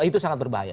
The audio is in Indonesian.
itu sangat berbahaya